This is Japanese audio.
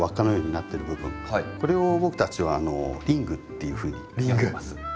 これを僕たちはリングっていうふうに呼んでます。